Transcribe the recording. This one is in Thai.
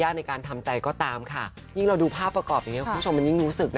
ในการทำใจก็ตามค่ะยิ่งเราดูภาพประกอบอย่างนี้คุณผู้ชมมันยิ่งรู้สึกนะ